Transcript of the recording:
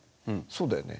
そうだよね？